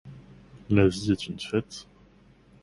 La vie est une fête